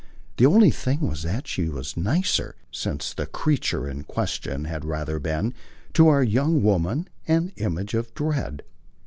The only thing was that she was nicer, since the creature in question had rather been, to our young woman, an image of dread.